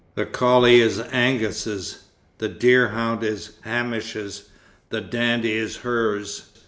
The collie is Angus's. The deerhound is Hamish's. The dandy is hers.